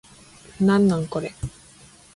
なんなんこれ